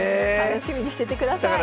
楽しみにしててください。